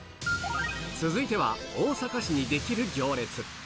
続いては大阪市に出来る行列。